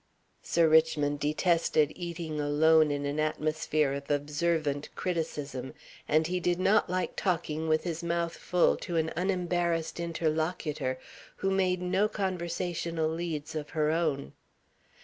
Sir Richmond detested eating alone in an atmosphere of observant criticism. And he did not like talking with his mouth full to an unembarrassed interlocutor who made no conversational leads of her own.